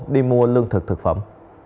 đi mua lương thực thực phẩm